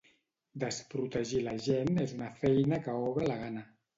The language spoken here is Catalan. Desprotegir la gent és una feina que obre la gana.